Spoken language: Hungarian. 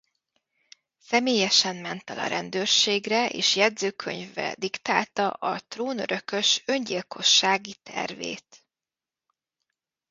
Személyesen ment el a rendőrségre és jegyzőkönyve diktálta a trónörökös öngyilkossági tervét.